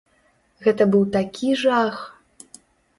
Гэта быў такі жах.